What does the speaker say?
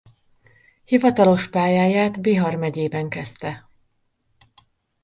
Hivatalos pályáját Bihar megyében kezdte.